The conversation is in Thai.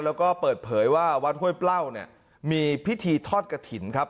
แล้วก็เปิดเผยว่าวัดห้วยเปล้าเนี่ยมีพิธีทอดกระถิ่นครับ